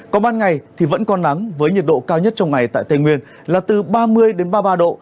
còn ban ngày thì vẫn có nắng với nhiệt độ cao nhất trong ngày tại tây nguyên là từ ba mươi đến ba mươi ba độ